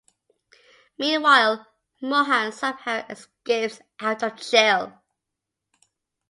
Meanwhile, Mohan somehow escapes out of jail.